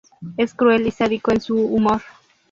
Es cruel y sádico en su humor.